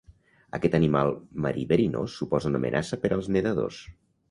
Aquest animal marí verinós suposa una amenaça per als nedadors.